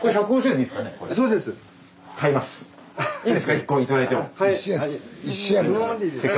いいですか？